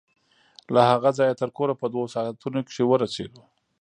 له هغه ځايه تر کوره په دوو ساعتو کښې ورسېدو.